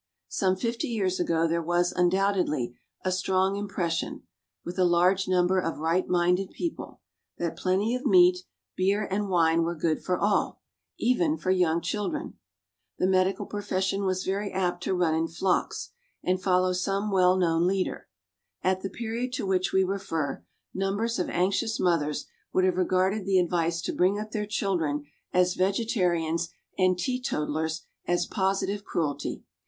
Some fifty years ago there was, undoubtedly, a strong impression (with a large number of right minded people) that plenty of meat, beer, and wine were good for all, even for young children. The medical profession are very apt to run in flocks, and follow some well known leader. At the period to which we refer, numbers of anxious mothers would have regarded the advice to bring up their children as vegetarians and teetotallers as positive cruelty.